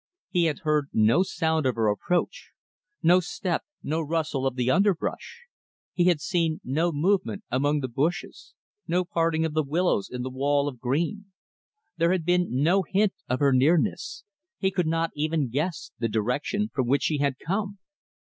He had heard no sound of her approach no step, no rustle of the underbrush. He had seen no movement among the bushes no parting of the willows in the wall of green. There had been no hint of her nearness. He could not even guess the direction from which she had come.